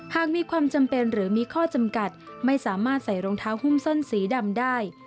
หากมีความจำเป็นหรือมีข้อจำกัดไม่สามารถใส่รองเท้าหุ้มส้นสีดำได้